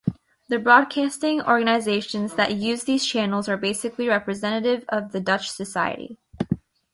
The broadcasting organisations that use these channels are basically representative of the Dutch society.